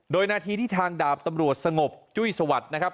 โดยนาทีที่ทางดาบตำรวจสงบจุ้ยสวัสดิ์นะครับ